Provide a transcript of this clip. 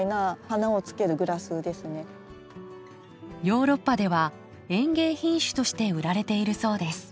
ヨーロッパでは園芸品種として売られているそうです。